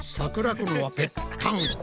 このはぺったんこ。